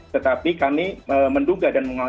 tetapi kami menduga dan mengonsu